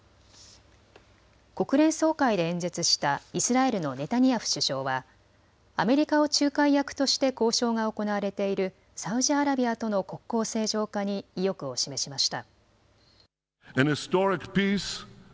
国連総会で演説したイスラエルのネタニヤフ首相はアメリカを仲介役として交渉が行われているサウジアラビアとの国交正常化に意欲を示しました。